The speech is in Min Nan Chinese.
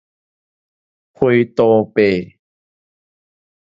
火杜伯